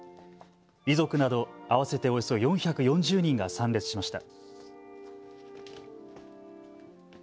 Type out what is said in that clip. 遺族など合わせておよそ４４０人が参列しました。